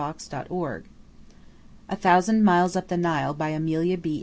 [Title Page] A THOUSAND MILES UP THE NILE BY AMELIA B.